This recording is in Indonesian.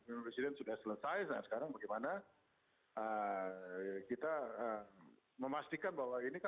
pemilang presiden sudah selesai sekarang bagaimana kita memastikan bahwa